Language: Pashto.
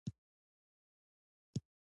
کویلیو د صوفي فلسفې څخه الهام اخیستی دی.